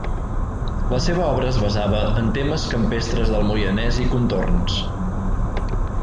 La seva obra es basava en temes campestres del Moianès i contorns.